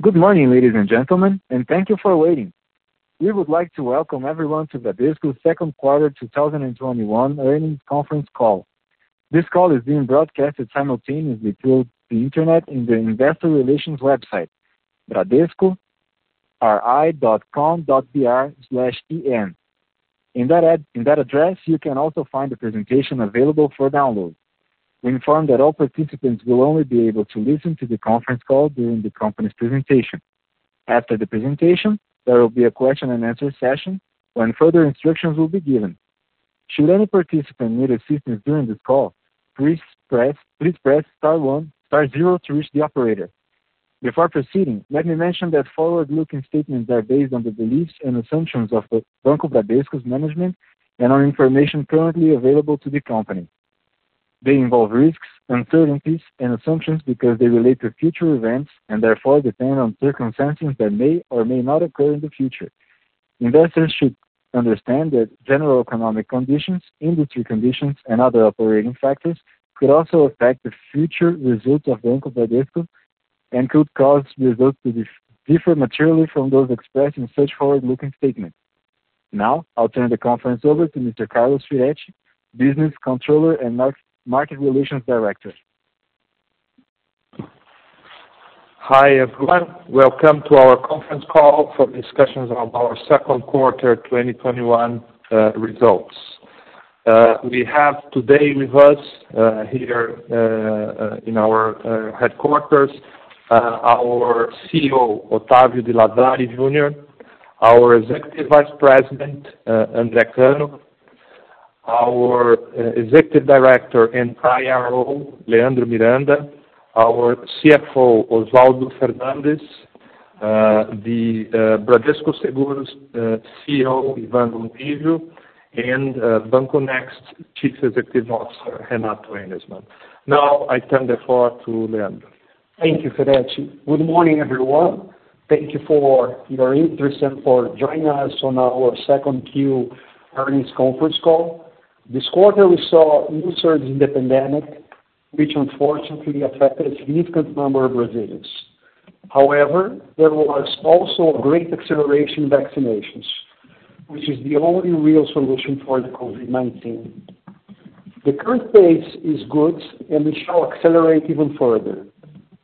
Good morning, ladies and gentlemen, and thank you for waiting. We would like to welcome everyone to Bradesco's Second Quarter 2021 Earnings Conference Call. This call is being broadcasted simultaneously through the internet on the investor relations website, bradescori.com.br/en. In that address, you can also find the presentation available for download. We inform that all participants will only be able to listen to the conference call during the company's presentation. After the presentation, there will be a question-and-answer session when further instructions will be given. Should any participant need assistance during this call, please press star zero, star one to reach the operator. Before proceeding, let me mention that forward-looking statements are based on the beliefs and assumptions of Banco Bradesco's management and on information currently available to the company. They involve risks, uncertainties, and assumptions because they relate to future events and therefore depend on circumstances that may or may not occur in the future. Investors should understand that general economic conditions, industry conditions, and other operating factors could also affect the future results of Banco Bradesco and could cause results to differ materially from those expressed in such forward-looking statements. I'll turn the conference over to Mr. Carlos Firetti, Business Controller and Market Relations Director. Hi, everyone. Welcome to our conference call for discussions on our Q2 2021 results. We have today with us here in our headquarters, our CEO, Octavio de Lazari Jr., our Executive Vice President, André Cano, our Executive Director and CRO, Leandro Miranda, our CFO, Oswaldo Fernandes, the Bradesco Seguros CEO, Ivan Gontijo, and Banco Next Chief Executive Officer, Renato Ejnisman. I turn the floor to Leandro. Thank you, Firretti. Good morning, everyone. Thank you for your interest and for joining us on our second quarter earnings conference call. This quarter, we saw a new surge in the pandemic, which unfortunately affected a significant number of Brazilians. However, there was also a great acceleration in vaccinations, which is the only real solution for the COVID-19. The current pace is good, and we shall accelerate even further.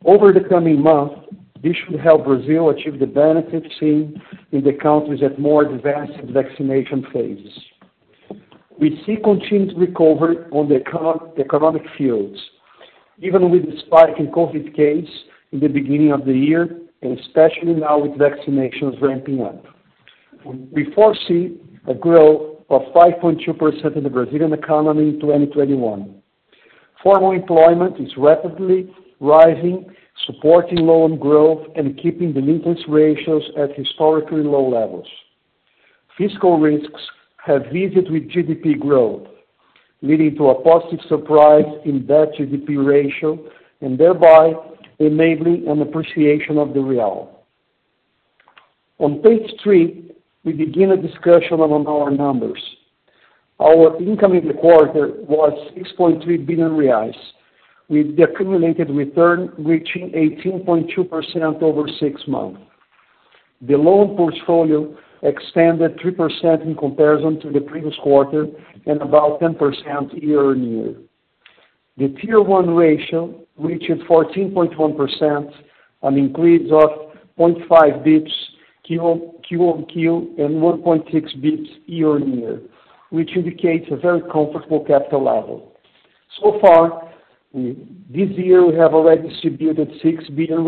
Over the coming months, this should help Brazil achieve the benefits seen in the countries at more advanced vaccination phases. We see continued recovery on the economic fields, even with the spike in COVID cases in the beginning of the year, and especially now with vaccinations ramping up. We foresee a growth of 5.2% in the Brazilian economy in 2021. Formal employment is rapidly rising, supporting loan growth, and keeping delinquency ratios at historically low levels. Fiscal risks have eased with GDP growth, leading to a positive surprise in debt GDP ratio, and thereby enabling an appreciation of the real. On page three, we begin a discussion on our numbers. Our income in the quarter was 6.3 billion reais, with the accumulated return reaching 18.2% over six months. The loan portfolio expanded 3% in comparison to the previous quarter and about 10% year-on-year. The Tier 1 ratio reached 14.1%, an increase of 0.5 basis points quarter-on-quarter, and 1.6 basis points year-on-year, which indicates a very comfortable capital level. So far this year, we have already distributed 6 billion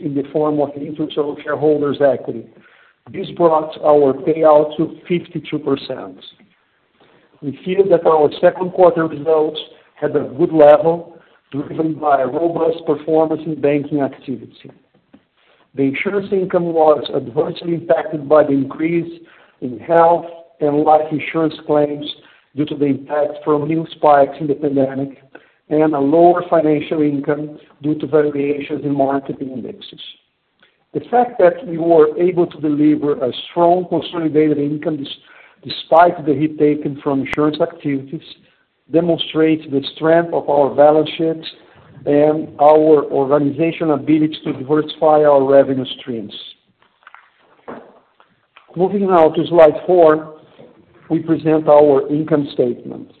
in the form of interest on shareholders' equity. This brought our payout to 52%. We feel that our second quarter results had a good level, driven by a robust performance in banking activity. The insurance income was adversely impacted by the increase in health and life insurance claims due to the impact from new spikes in the pandemic and a lower financial income due to variations in market indexes. The fact that we were able to deliver a strong consolidated income despite the hit taken from insurance activities demonstrates the strength of our balance sheets and our organization ability to diversify our revenue streams. Moving now to slide four, we present our income statement.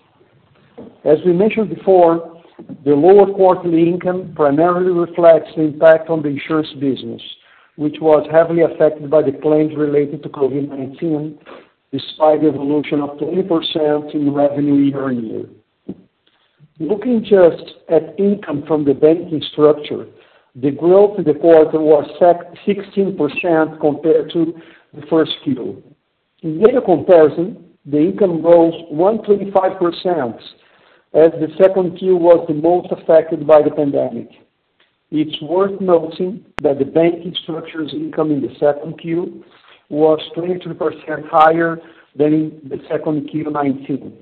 As we mentioned before, the lower quarterly income primarily reflects the impact on the insurance business, which was heavily affected by the claims related to COVID-19, despite the evolution of 20% in revenue year-on-year. Looking just at income from the banking structure, the growth in the quarter was 16% compared to the first quarter. In year comparison, the income rose 125% as the second Q was the most affected by the pandemic. It's worth noting that the banking structure's income in the second Q was 23% higher than in the second Q 2019.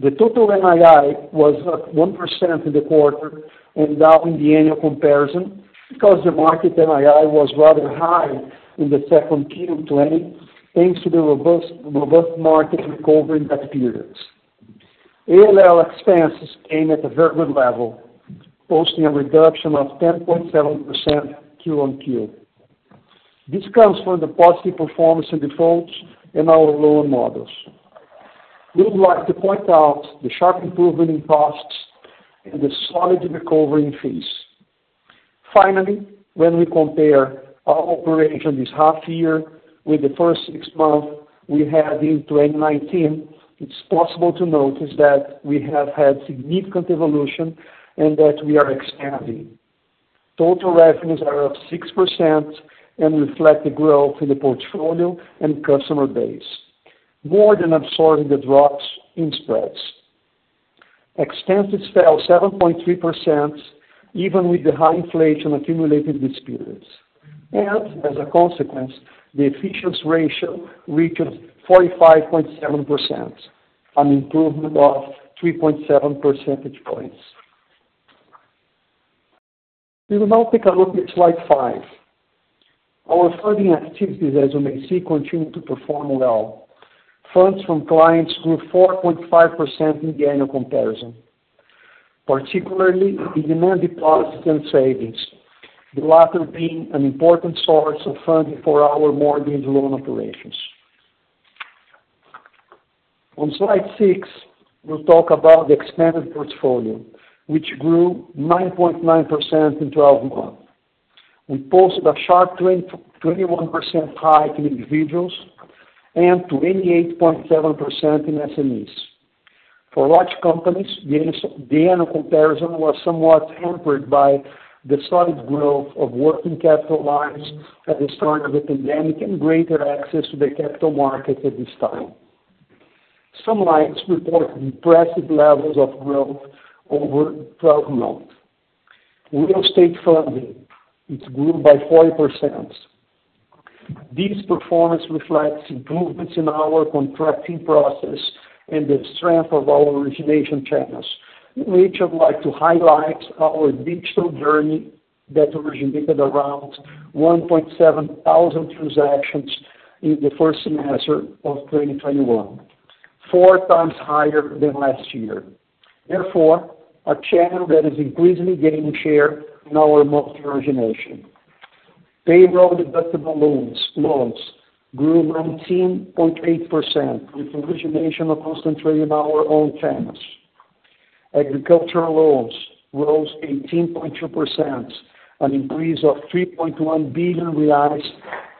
The total NII was up 1% in the quarter and down in the annual comparison because the market NII was rather high in the second Q of 2020, thanks to the robust market recovery in that period. ALL expenses came at a very good level, posting a reduction of 10.7% quarter-on-quarter. This comes from the positive performance and defaults in our loan models. We would like to point out the sharp improvement in costs and the solid recovery in fees. Finally, when we compare our operation this half year with the first six months we had in 2019, it's possible to notice that we have had significant evolution and that we are expanding. Total revenues are up 6% and reflect the growth in the portfolio and customer base, more than absorbing the drops in spreads. Expenses fell 7.3%, even with the high inflation accumulated this period. As a consequence, the efficiency ratio reaches 45.7%, an improvement of 3.7 percentage points. We will now take a look at slide five. Our funding activities, as you may see, continue to perform well. Funds from clients grew 4.5% in the annual comparison, particularly in demand deposits and savings, the latter being an important source of funding for our mortgage loan operations. On slide six, we'll talk about the expanded portfolio, which grew 9.9% in 12 months and posted a sharp 21% hike in individuals and to 28.7% in SMEs. For large companies, the annual comparison was somewhat hampered by the solid growth of working capital lines at the start of the pandemic and greater access to the capital market at this time. Some lines report impressive levels of growth over 12 months. Real estate funding, it's grew by 40%. This performance reflects improvements in our contracting process and the strength of our origination channels. We would like to highlight our digital journey that originated around 1,700 transactions in the first semester of 2021, 4x higher than last year. Therefore, a channel that is increasingly gaining share in our mortgage origination. Payroll-deductible loans grew 19.8%, with origination concentrated on our own channels. Agricultural loans rose 18.2%, an increase of 3.1 billion reais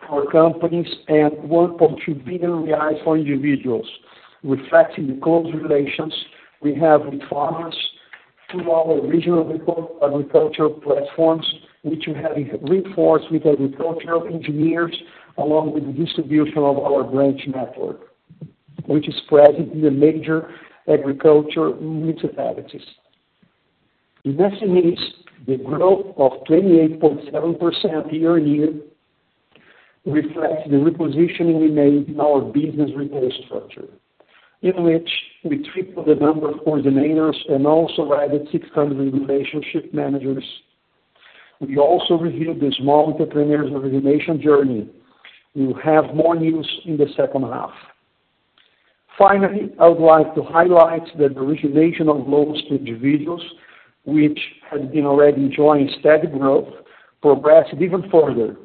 for companies and 1.2 billion reais for individuals, reflecting the close relations we have with farmers through our regional agriculture platforms, which we have reinforced with agricultural engineers, along with the distribution of our branch network, which is present in the major agricultural municipalities. In SMEs, the growth of 28.7% year-on-year reflects the repositioning we made in our business retail structure, in which we tripled the number of coordinators and also added 600 relationship managers. We also reviewed the small entrepreneurs origination journey. We will have more news in the second half. Finally, I would like to highlight that the origination of loans to individuals, which had been already enjoying steady growth, progressed even further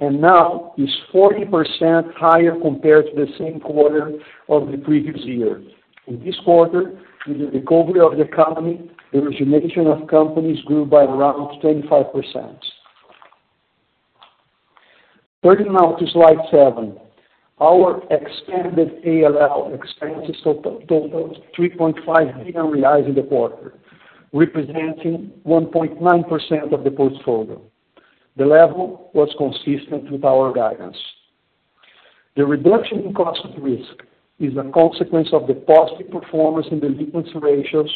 and now is 40% higher compared to the same quarter of the previous year. In this quarter, with the recovery of the economy, the origination of companies grew by around 25%. Turning now to slide seven. Our expanded ALL expenses totaled 3.5 billion reais in the quarter, representing 1.9% of the portfolio. The level was consistent with our guidance. The reduction in cost of risk is a consequence of the positive performance in the delinquency ratios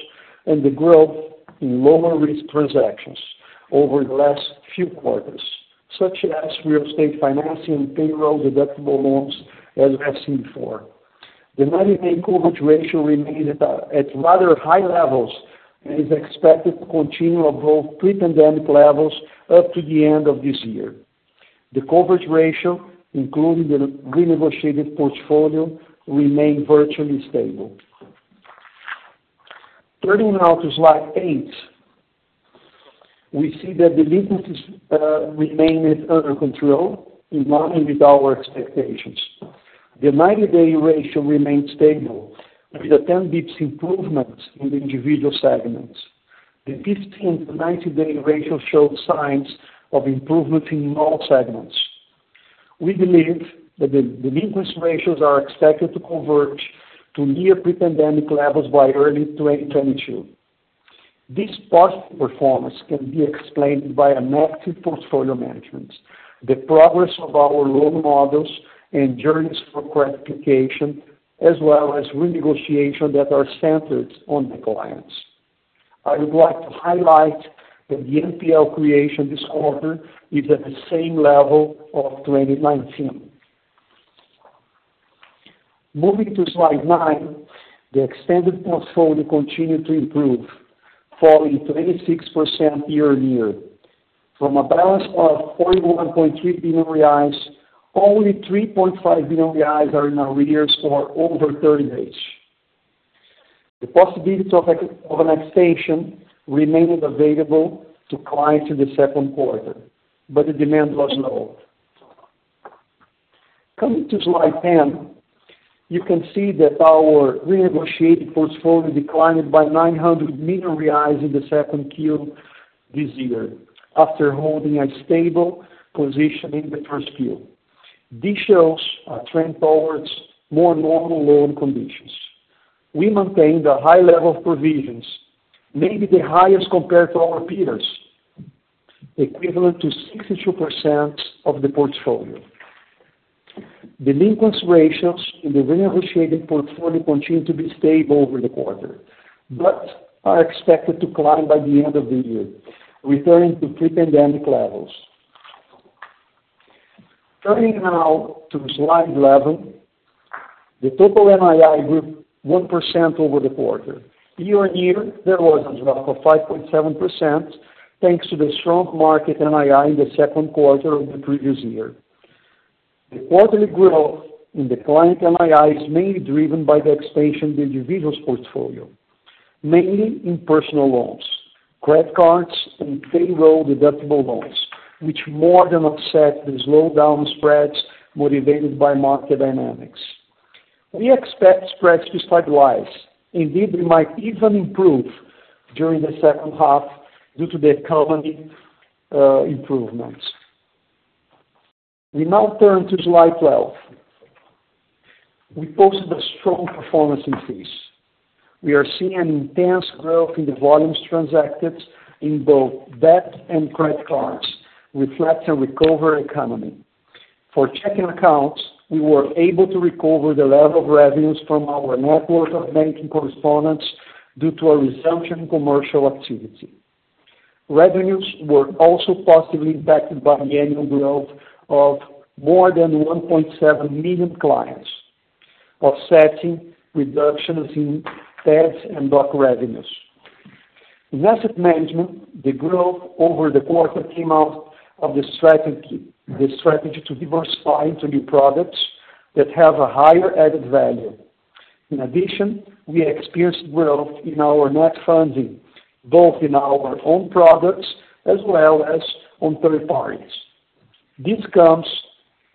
and the growth in lower-risk transactions over the last few quarters, such as real estate financing, payroll-deductible loans, as mentioned before. The 90-day coverage ratio remains at rather high levels and is expected to continue above pre-pandemic levels up to the end of this year. The coverage ratio, including the renegotiated portfolio, remained virtually stable. Turning now to slide eight, we see that delinquencies remain under control, in line with our expectations. The 90-day ratio remains stable with a 10 basis points improvement in the individual segments. The 15 to 90-day ratio showed signs of improvement in all segments. We believe that the delinquency ratios are expected to converge to near pre-pandemic levels by early 2022. This positive performance can be explained by an active portfolio management, the progress of our loan models, and journeys for credit application, as well as renegotiation that are centered on the clients. I would like to highlight that the NPL creation this quarter is at the same level of 2019. Moving to slide nine, the extended portfolio continued to improve, falling 26% year-on-year. From a balance of 41.3 billion reais, only 3.5 billion reais are now arrears for over 30 days. The possibility of an extension remained available to clients in the second quarter, but the demand was low. Coming to slide 10, you can see that our renegotiated portfolio declined by 900 million reais in the second quarter this year, after holding a stable position in the first quarter. This shows a trend towards more normal loan conditions. We maintained a high level of provisions, maybe the highest compared to our peers, equivalent to 62% of the portfolio. Delinquency ratios in the renegotiated portfolio continued to be stable over the quarter, but are expected to climb by the end of the year, returning to pre-pandemic levels. Turning now to slide 11, the total NII grew 1% over the quarter. Year-on-year, there was a drop of 5.7%, thanks to the strong market NII in the second quarter of the previous year. The quarterly growth in the client NII is mainly driven by the expansion of the individuals' portfolio, mainly in personal loans, credit cards, and payroll-deductible loans, which more than offset the slowdown spreads motivated by market dynamics. We expect spreads to stabilize. Indeed, we might even improve during the second half due to the economy improvements. We now turn to slide 12. We posted a strong performance in fees. We are seeing an intense growth in the volumes transacted in both debt and credit cards, reflecting recovering economy. For checking accounts, we were able to recover the level of revenues from our network of banking correspondents due to a resumption in commercial activity. Revenues were also positively impacted by the annual growth of more than 1.7 million clients, offsetting reductions in fees and DOC revenues. In asset management, the growth over the quarter came out of the strategy to diversify into new products that have a higher added value. In addition, we experienced growth in our net funding, both in our own products as well as on third parties. This comes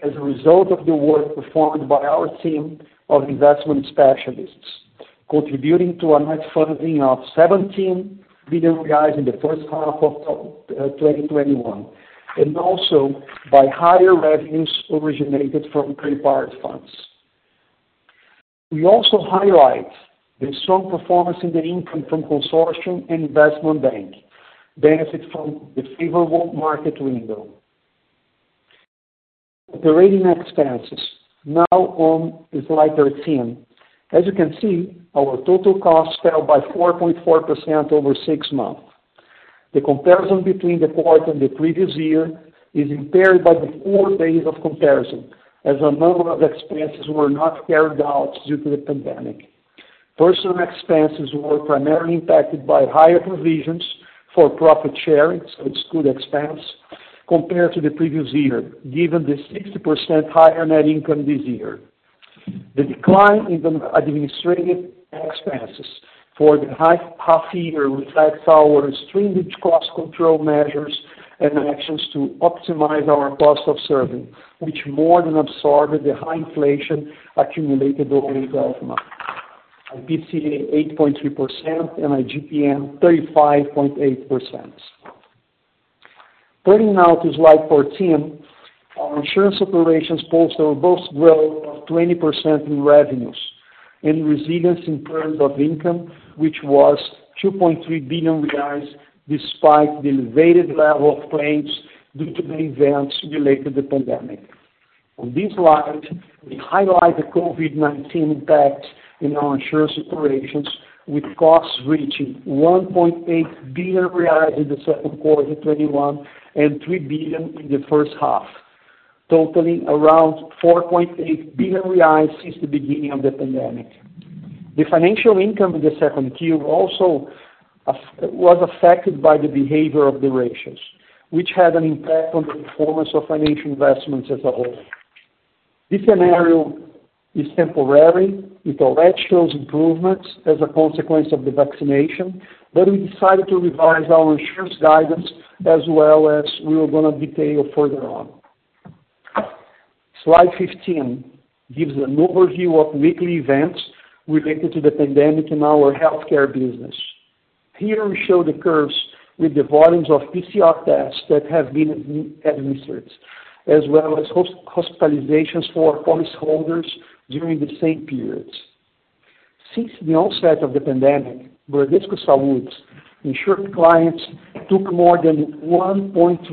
as a result of the work performed by our team of investment specialists, contributing to a net funding of 17 billion reais in the first half of 2021, and also by higher revenues originated from third-party funds. We also highlight the strong performance in the income from consortium and investment bank, benefit from the favorable market window. Operating expenses, now on slide 13. As you can see, our total costs fell by 4.4% over six months. The comparison between the quarter and the previous year is impaired by the poor base of comparison, as a number of expenses were not carried out due to the pandemic. Personal expenses were primarily impacted by higher provisions for profit sharing. It's good expense, compared to the previous year, given the 60% higher net income this year. The decline in the administrative expenses for the half year reflects our stringent cost control measures and actions to optimize our cost of serving, which more than absorbed the high inflation accumulated over the 12 months, IPCA 8.3% and IGPM 35.8%. Turning now to slide 14, our insurance operations posted a robust growth of 20% in revenues and resilience in terms of income, which was 2.3 billion reais despite the elevated level of claims due to the events related to the pandemic. On this slide, we highlight the COVID-19 impact in our insurance operations, with costs reaching 1.8 billion reais in Q2 2021 and 3 billion in the first half, totaling around 4.8 billion reais since the beginning of the pandemic. The financial income in Q2 also was affected by the behavior of the ratios, which had an impact on the performance of financial investments as a whole. This scenario is temporary. It already shows improvements as a consequence of the vaccination, but we decided to revise our insurance guidance as well, as we are going to detail further on. Slide 15 gives an overview of weekly events related to the pandemic in our healthcare business. Here we show the curves with the volumes of PCR tests that have been administered, as well as hospitalizations for policyholders during the same periods. Since the onset of the pandemic, Bradesco Saúde's insured clients took more than 1.3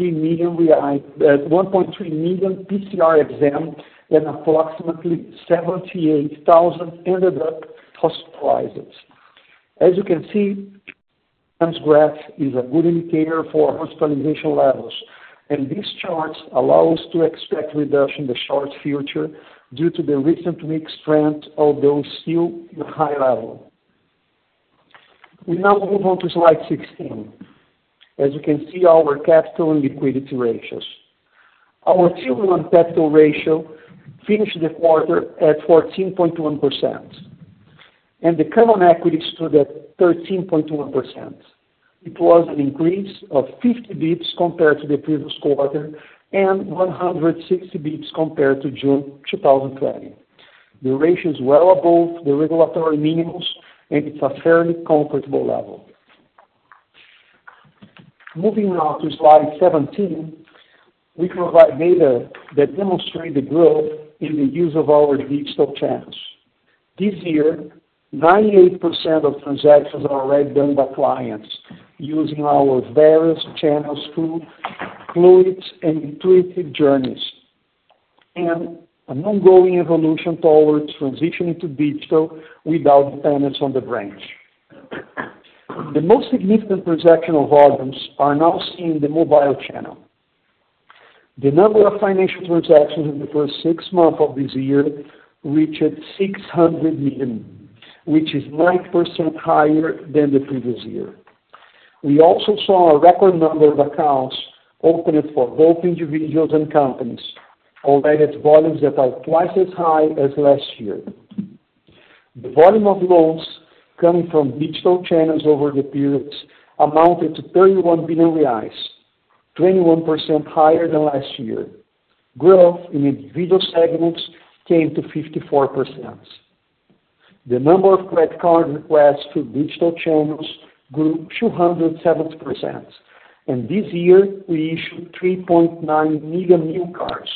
million PCR exams and approximately 78,000 ended up hospitalizations. As you can see, this graph is a good indicator for hospitalization levels, and this chart allows to expect reduction in the short future due to the recent weeks' trend, although still in high level. We now move on to slide 16. As you can see, our capital and liquidity ratios. Our Tier 1 capital ratio finished the quarter at 14.1%, and the common equity stood at 13.1%. It was an increase of 50 basis points compared to the previous quarter, and 160 basis points compared to June 2020. The ratio is well above the regulatory minimums, and it's a fairly comfortable level. Moving now to slide 17, we provide data that demonstrate the growth in the use of our digital channels. This year, 98% of transactions are already done by clients using our various channels through fluid and intuitive journeys, and an ongoing evolution towards transitioning to digital without dependence on the branch. The most significant transactional volumes are now seen in the mobile channel. The number of financial transactions in the first six months of this year reached 600 million, which is 9% higher than the previous year. We also saw a record number of accounts opened for both individuals and companies, already at volumes that are 2x as high as last year. The volume of loans coming from digital channels over the periods amounted to 31 billion reais, 21% higher than last year. Growth in individual segments came to 54%. The number of credit card requests through digital channels grew 270%, and this year we issued 3.9 million new cards.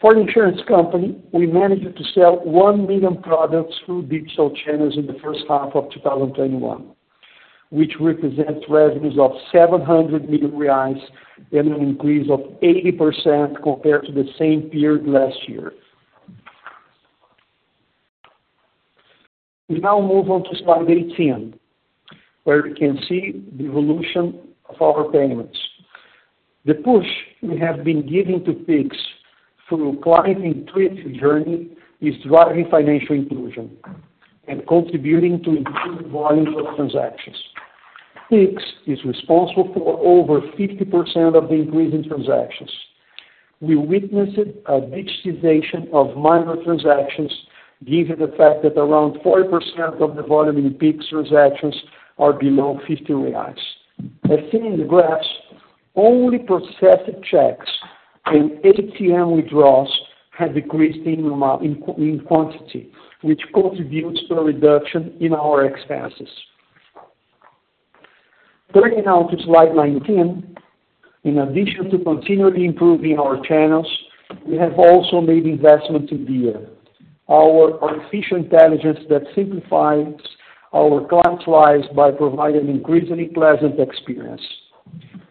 For the insurance company, we managed to sell 1 million products through digital channels in the first half of 2021, which represents revenues of 700 million reais and an increase of 80% compared to the same period last year. We now move on to slide 18, where you can see the evolution of our payments. The push we have been giving to Pix through client intuitive journey is driving financial inclusion and contributing to improved volume of transactions. Pix is responsible for over 50% of the increase in transactions. We witnessed a digitization of minor transactions given the fact that around 40% of the volume in Pix transactions are below 50 reais. As seen in the graphs, only processed checks and ATM withdrawals have decreased in quantity, which contributes to a reduction in our expenses. Turning now to slide 19. In addition to continually improving our channels, we have also made investments in BIA, our artificial intelligence that simplifies our clients' lives by providing an increasingly pleasant experience.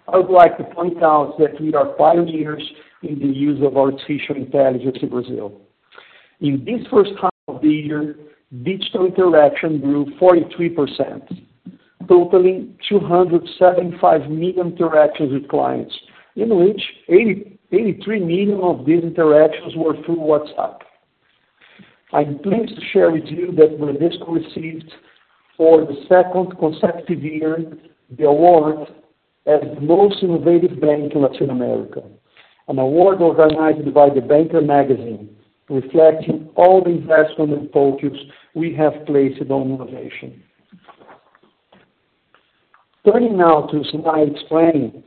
I would like to point out that we are pioneers in the use of artificial intelligence in Brazil. In this first half of the year, digital interaction grew 43%, totaling 275 million interactions with clients, in which 83 million of these interactions were through WhatsApp. I'm pleased to share with you that Bradesco received, for the second consecutive year, the award as the most innovative bank in Latin America, an award organized by The Banker magazine, reflecting all the investment and focus we have placed on innovation. Turning now to slide 20,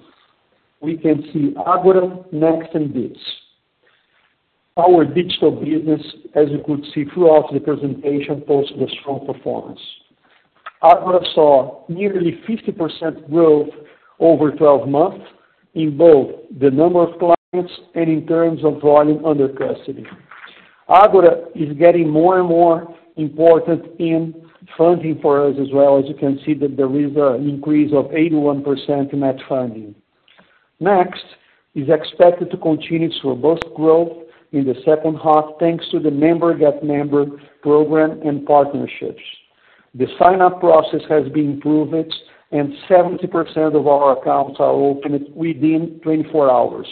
we can see Ágora, Next and Bitz. Our digital business, as you could see throughout the presentation, posted a strong performance. Agora saw nearly 50% growth over 12 months in both the number of clients and in terms of volume under custody. Agora is getting more and more important in funding for us as well, as you can see that there is an increase of 81% in that funding. Next is expected to continue its robust growth in the second half, thanks to the Member Get Member program and partnerships. The sign-up process has been improved, and 70% of our accounts are opened within 24 hours.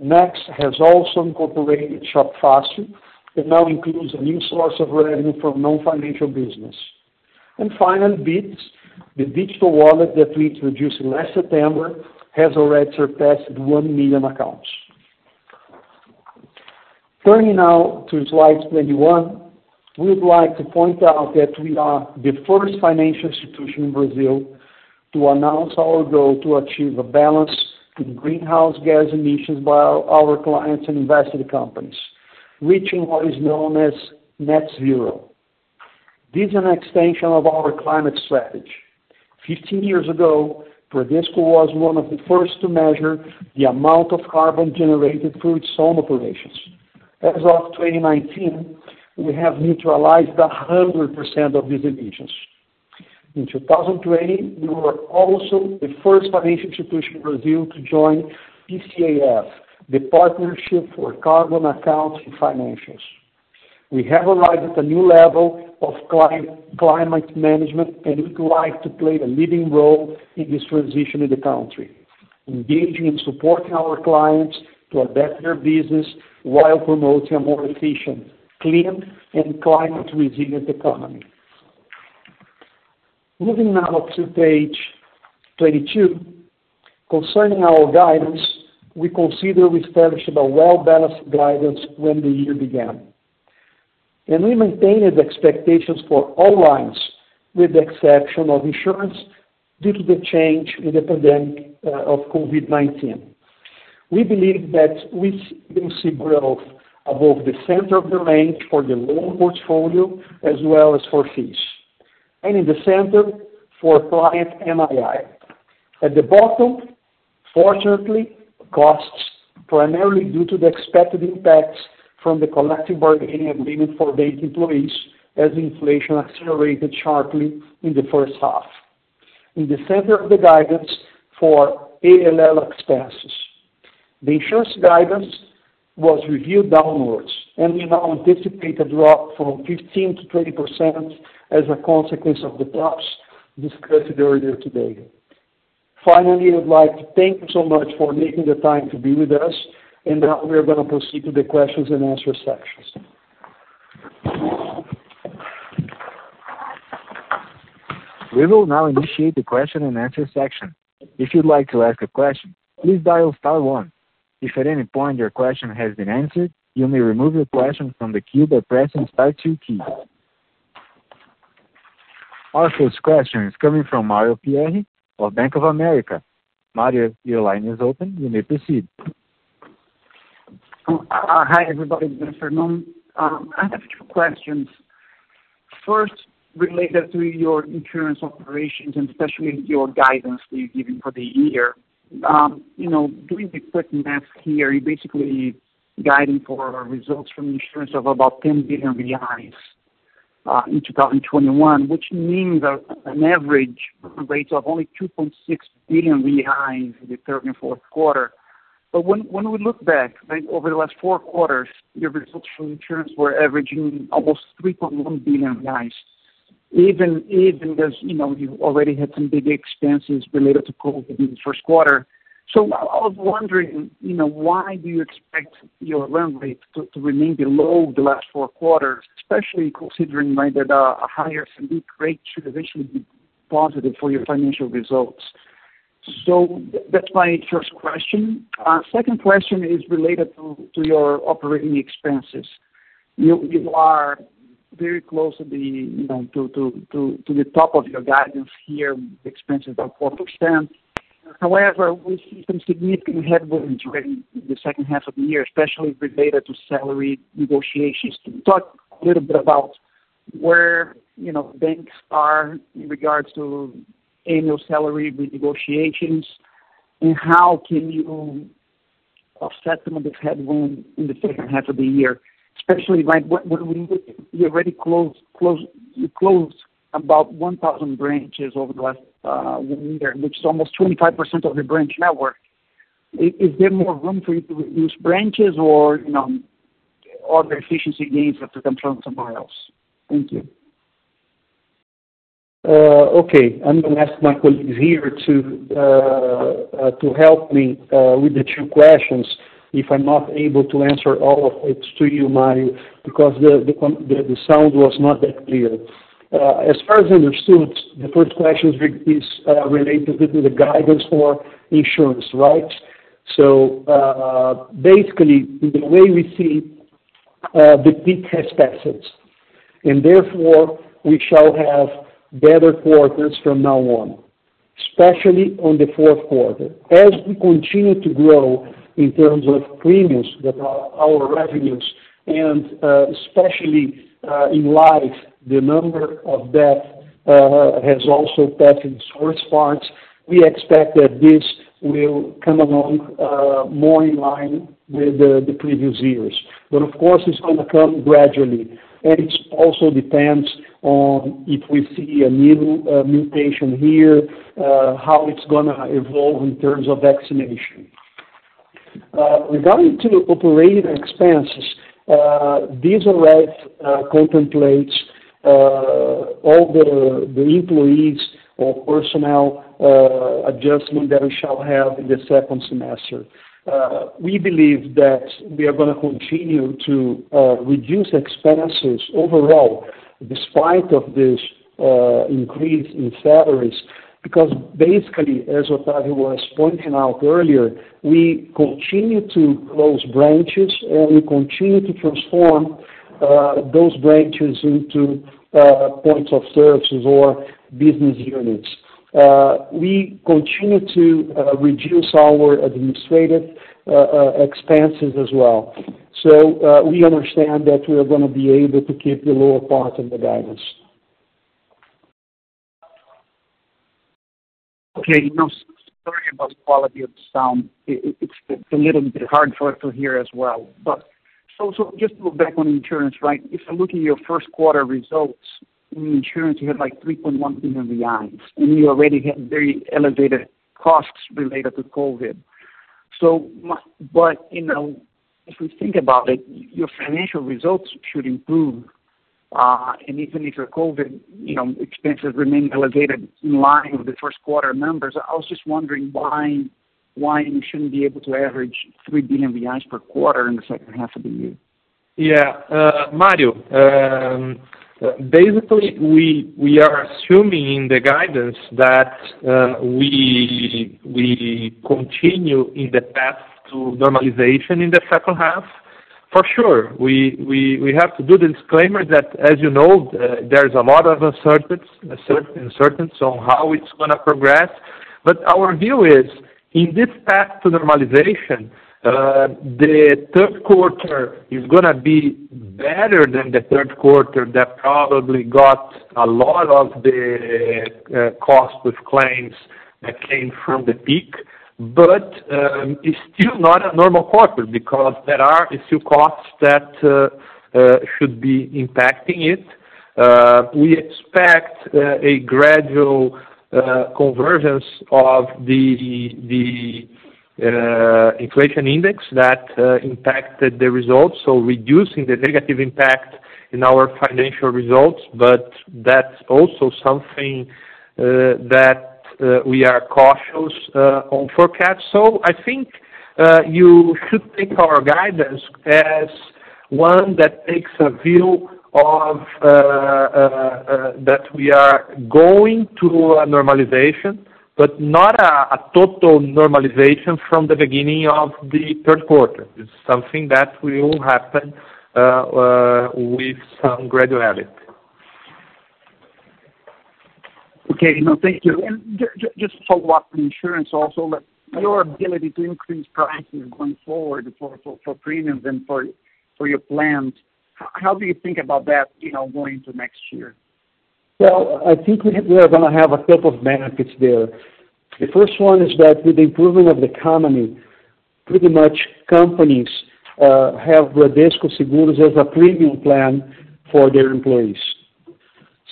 Next has also incorporated ShopFácil, that now includes a new source of revenue from non-financial business. Finally, Bitz, the digital wallet that we introduced last September, has already surpassed 1 million accounts. Turning now to slide 21, we would like to point out that we are the first financial institution in Brazil to announce our goal to achieve a balance to the greenhouse gas emissions by our clients and invested companies, reaching what is known as net zero. This is an extension of our climate strategy. 15 years ago, Bradesco was one of the first to measure the amount of carbon generated through its own operations. As of 2019, we have neutralized 100% of these emissions. In 2020, we were also the first financial institution in Brazil to join PCAF, the Partnership for Carbon Accounting Financials. We have arrived at a new level of climate management, and we'd like to play a leading role in this transition in the country, engaging and supporting our clients to adapt their business while promoting a more efficient, clean, and climate-resilient economy. Moving now to page 22. Concerning our guidance, we consider we established a well-balanced guidance when the year began. We maintained expectations for all lines, with the exception of insurance, due to the change with the pandemic of COVID-19. We believe that we will see growth above the center of the range for the loan portfolio as well as for fees. In the center for client NII. At the bottom, fortunately, costs primarily due to the expected impacts from the collective bargaining agreement for base employees as inflation accelerated sharply in the first half. In the center of the guidance for ALL expenses. The insurance guidance was reviewed downwards. We now anticipate a drop from 15%-20% as a consequence of the drops discussed earlier today. Finally, we would like to thank you so much for making the time to be with us, and now we are going to proceed to the questions-and-answer sections. We will now initiate the question-and-answer section. If you'd like to ask a question, please dial star one. If at any point your question has been answered, you may remove your question from the queue by pressing star two key. Our first question is coming from Mario Pierry of Bank of America. Mario, your line is open. You may proceed. Hi, everybody. Good afternoon. I have two questions. First, related to your insurance operations and especially your guidance that you've given for the year. Doing the quick math here, you're basically guiding for results from insurance of about 10 billion reais in 2021, which means an average rate of only 2.6 billion in the third and fourth quarter. When we look back over the last four quarters, your results from insurance were averaging almost BRL 3.1 billion, even because you already had some big expenses related to COVID in the first quarter. I was wondering, why do you expect your run rate to remain below the last four quarters, especially considering that a higher rate should eventually be positive for your financial results. That's my first question. Second question is related to your operating expenses. You are very close to the top of your guidance here, expenses of 4%. However, we see some significant headwinds during the second half of the year, especially related to salary negotiations. Can you talk a little bit about where banks are in regards to annual salary renegotiations, and how can you offset some of this headwind in the second half of the year? Especially, when you already closed about 1,000 branches over the last one year, which is almost 25% of your branch network. Is there more room for you to reduce branches or are there efficiency gains that you can turn somewhere else? Thank you. I'm going to ask my colleagues here to help me with the two questions if I'm not able to answer all of it to you, Mario, because the sound was not that clear. As far as I understood, the first question is related to the guidance for insurance, right? Basically, the way we see the peak has passed, and therefore we shall have better quarters from now on, especially on the fourth quarter. As we continue to grow in terms of premiums, that are our revenues, and especially in life, the number of death has also passed its worst parts. Of course, it's going to come gradually, and it also depends on if we see a new mutation here, how it's going to evolve in terms of vaccination. Regarding to operating expenses, these already contemplate all the employees or personnel adjustment that we shall have in the 2nd semester. We believe that we are going to continue to reduce expenses overall despite of this increase in salaries, because basically, as Octavio was pointing out earlier, we continue to close branches and we continue to transform those branches into points of services or business units. We continue to reduce our administrative expenses as well. We understand that we are going to be able to keep the lower part of the guidance. Sorry about the quality of the sound. It's a little bit hard for us to hear as well. Just to go back on insurance, if I look at your first quarter results in insurance, you had like 3.1 billion reais, and you already had very elevated costs related to COVID. If we think about it, your financial results should improve. Even if your COVID expenses remain elevated in line with the first quarter numbers, I was just wondering why you shouldn't be able to average 3 billion per quarter in the second half of the year. Mario, basically, we are assuming in the guidance that we continue in the path to normalization in the second half. For sure, we have to do the disclaimer that, as you know, there's a lot of uncertainty on how it's going to progress. Our view is, in this path to normalization, the third quarter is going to be better than the third quarter that probably got a lot of the cost of claims that came from the peak. It's still not a normal quarter because there are a few costs that should be impacting it. We expect a gradual convergence of the inflation index that impacted the results, reducing the negative impact in our financial results. That's also something that we are cautious on forecast. I think you should take our guidance as one that takes a view of that we are going to a normalization, but not a total normalization from the beginning of the third quarter. It's something that will happen with some graduality. Okay. No, thank you. Just to follow up on insurance also, your ability to increase pricing going forward for premiums and for your plans, how do you think about that going into next year? Well, I think we are going to have a couple of benefits there. The first one is that with the improvement of the economy, pretty much companies have Bradesco Seguros as a premium plan for their employees.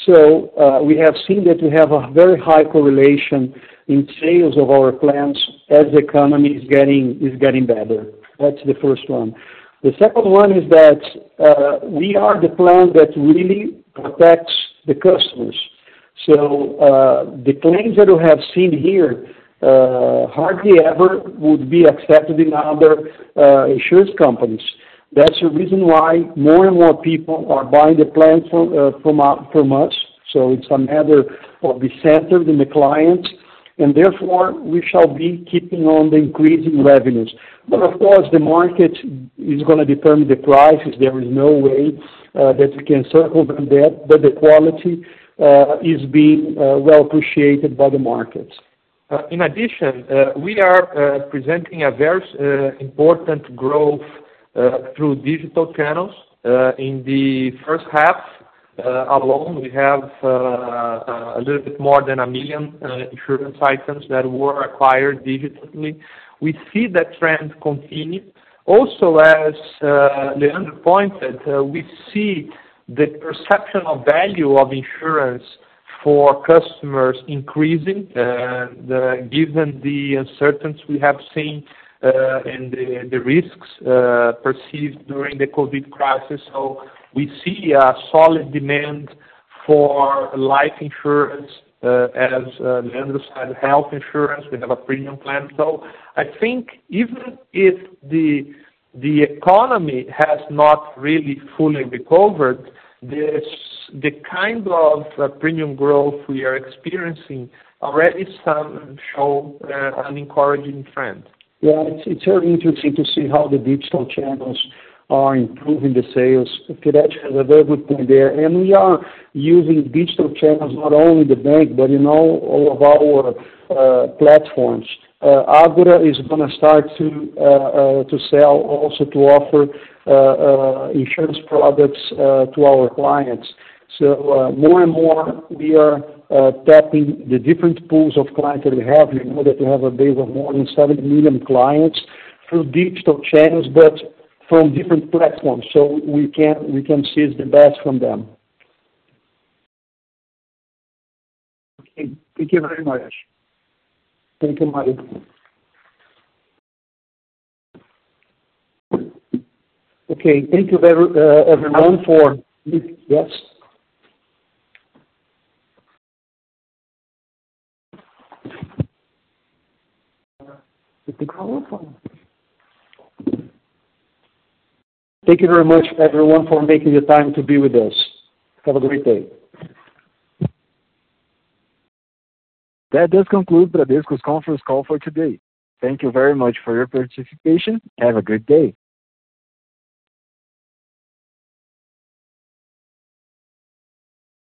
We have seen that we have a very high correlation in sales of our plans as the economy is getting better. That's the first one. The second one is that we are the plan that really protects the customers. The claims that we have seen here hardly ever would be accepted in other insurance companies. That's the reason why more and more people are buying the plan from us. It's a matter of the center than the clients, and therefore, we shall be keeping on the increasing revenues. Of course, the market is going to determine the prices. There is no way that we can circle them there, but the quality is being well appreciated by the markets. In addition, we are presenting a very important growth through digital channels. In the first half alone, we have a little bit more than 1 million insurance items that were acquired digitally. We see that trend continue. Also, as Leandro pointed, we see the perception of value of insurance for customers increasing, given the uncertainty we have seen and the risks perceived during the COVID crisis. We see a solid demand for life insurance, as Leandro said, health insurance, we have a premium plan. I think even if the economy has not really fully recovered, the kind of premium growth we are experiencing already show an encouraging trend. Yeah, it's very interesting to see how the digital channels are improving the sales. Pedro has a very good point there. We are using digital channels, not only the bank, but all of our platforms. Ágora is going to start to sell, also to offer insurance products to our clients. More and more, we are tapping the different pools of clients that we have. We know that we have a base of more than 7 million clients through digital channels, but from different platforms, so we can seize the best from them. Okay. Thank you very much. Thank you, Mario. Thank you very much, everyone, for making the time to be with us. Have a great day. That does conclude Bradesco's conference call for today. Thank you very much for your participation. Have a great day.